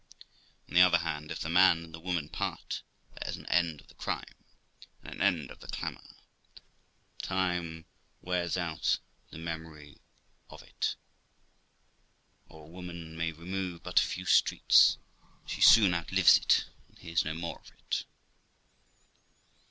On the other hand, if the man and the woman part, there is an end of the crime and an end of the clamour; time wears out the memory of it, or a woman may remove but a few streets, and she soon outlives it, and hears no more of it.'